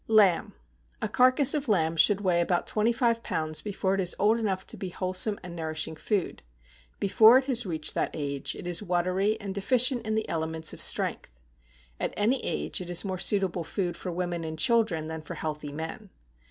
=Lamb.= A carcass of lamb should weigh about twenty five pounds before it is old enough to be wholesome and nourishing food; before it has reached that age it is watery and deficient in the elements of strength; at any age it is more suitable food for women and children than for healthy men.